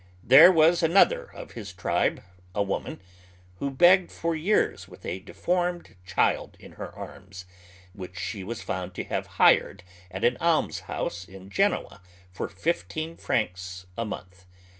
There was another of his tribe, a woman, who begged for years witli a deformed child Iti her arms, which she was found to have hired at an ahnshonse in Ge noa for fifteen francs a month.